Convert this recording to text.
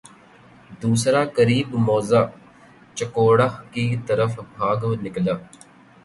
دوسرا قریب موضع چکوڑہ کی طرف بھاگ نکلا۔